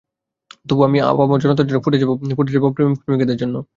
তবু আমি আপামর জনতার জন্য ফুটে যাব, ফুটে যাব প্রেমিক-প্রেমিকাদের জন্য।